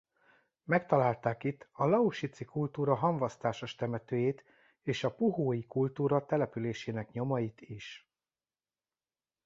Megtalálták itt a lausitzi kultúra hamvasztásos temetőjét és a puhói kultúra településének nyomait is.